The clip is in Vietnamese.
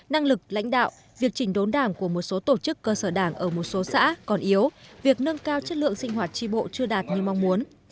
năng lực lãnh đạo việc chỉnh đốn đảng của một số tổ chức cơ sở đảng ở một số xã còn yếu việc nâng cao chất lượng sinh hoạt tri bộ chưa đạt như mong muốn